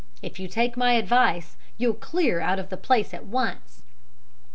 If you take my advice, you'll clear out of the place at once.'